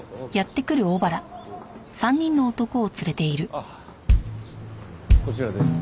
あっこちらです。